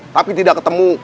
tapi tidak ketemu